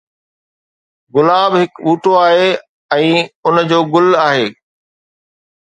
گلاب هڪ ٻوٽو آهي ۽ ان جو گل آهي